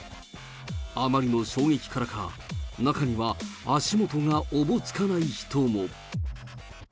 あまりの衝撃からか、中には足元がおぼつかない人も。